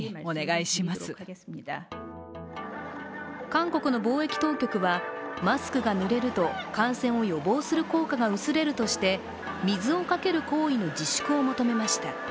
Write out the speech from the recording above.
韓国の防疫当局は、マスクが濡れると感染を予防する効果が薄れるとして水をかける行為の自粛を求めました。